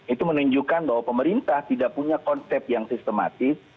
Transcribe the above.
itu menunjukkan bahwa pemerintah tidak punya konsep yang sistematis